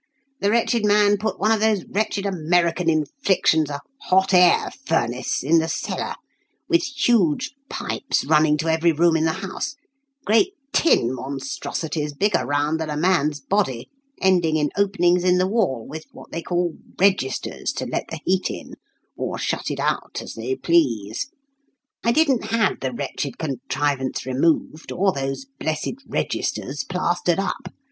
The wretched man put one of those wretched American inflictions, a hot air furnace, in the cellar, with huge pipes running to every room in the house great tin monstrosities bigger round than a man's body, ending in openings in the wall, with what they call 'registers,' to let the heat in, or shut it out as they please. I didn't have the wretched contrivance removed or those blessed 'registers' plastered up.